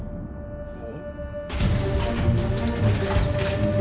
お？